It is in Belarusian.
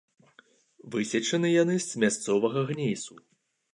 Высечаны яны з мясцовага гнейсу.